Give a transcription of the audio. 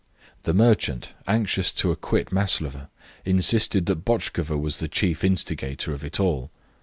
The merchant, anxious to acquit Maslova, insisted that Botchkova was the chief instigator of it all.